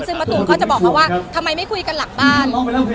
ซึ่งมะตูมเขาจะบอกเขาว่าทำไมไม่คุยกันหลังบ้าน